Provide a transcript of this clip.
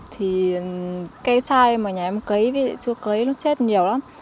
thì cây chai mà nhà em cấy chưa cấy nó chết nhiều lắm